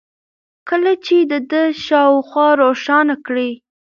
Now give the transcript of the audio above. كله چي د ده شا و خوا روښانه كړي